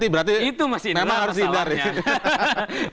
berarti memang harus hindarnya